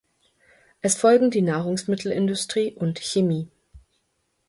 Es folgen die Nahrungsmittelindustrie und Chemie.